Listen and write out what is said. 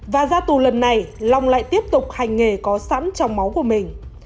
và ra tù lần này long lại tiếp tục hành nghề có sẵn trong máu của mình